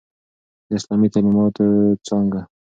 د اسلامی تعليماتو څانګه